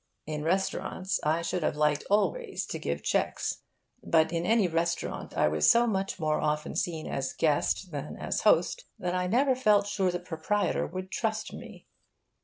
In restaurants I should have liked always to give cheques. But in any restaurant I was so much more often seen as guest than as host that I never felt sure the proprietor would trust me.